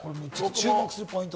注目するポイント。